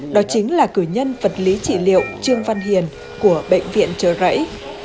đó chính là cử nhân vật lý trị liệu trương văn hiển của bệnh viện trở rẫy